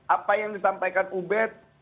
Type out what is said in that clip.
apa yang disampaikan ubed